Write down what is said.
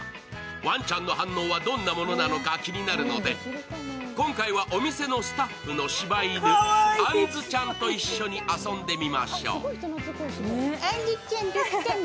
ワンちゃんの反応はどんなものなのか気になるので、今回はお店のスタッフのしば犬、杏ちゃんと一緒に遊んでみましょう。